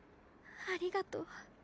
ありがとう。